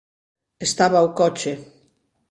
Estaba o coche.